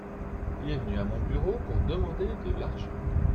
Il est venu à mon bureau pour demander de l'argent.